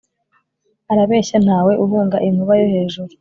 arabeshya ntawe uhunga inkuba yo hejuru